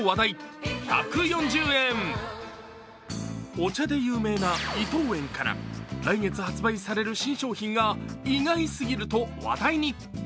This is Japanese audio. お茶で有名な伊藤園から来月発売される新商品が意外すぎると話題に。